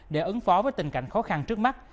để ứng phó với tình cảnh khó khăn trước mắt